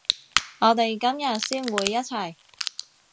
我哋今日先會一齊